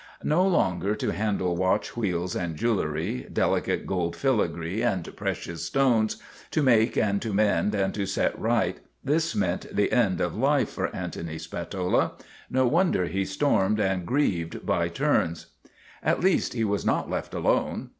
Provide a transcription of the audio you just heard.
No longer to handle watch wheels and jewelry, delicate gold filigree and precious stones, to make and to mend and to set right, this meant the end of MADNESS OF ANTONY SPATOLA 77 life for Antony Spatola. No wonder he stormed and grieved by turns. At least he was not left alone.